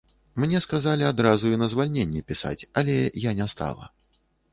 Мне сказалі адразу і на звальненне пісаць, але я не стала.